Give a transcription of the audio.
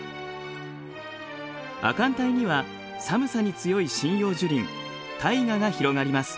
亜寒帯には寒さに強い針葉樹林タイガが広がります。